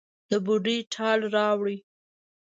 د بوډۍ ټال راوړي